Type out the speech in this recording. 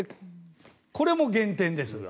これも減点です。